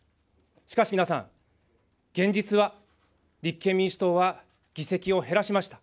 しかし皆さん、現実は、立憲民主党は議席を減らしました。